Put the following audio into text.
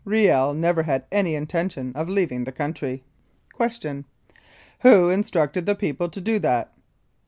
Riel never had any intention of leaving the country. Q. Who instructed the people to do that?